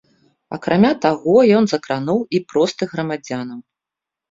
Акрамя таго, ён закрануў і простых грамадзянаў.